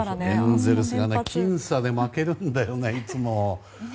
エンゼルスが僅差で負けるんだよね、いつも。